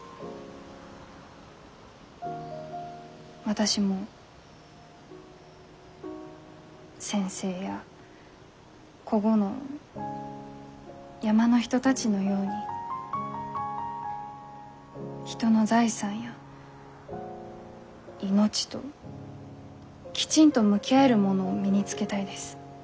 私も先生やこごの山の人たちのように人の財産や命ときちんと向き合えるものを身につけたいです。